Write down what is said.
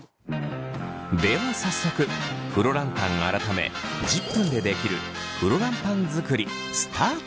では早速フロランタン改め１０分でできるフロランパン作りスタート！